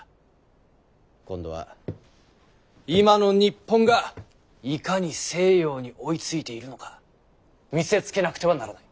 今度は今の日本がいかに西洋に追いついているのか見せつけなくてはならない。